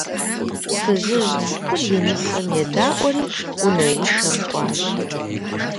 Фызыжь цӀыкӀур и нысэм едаӀуэри унэишэм кӀуащ.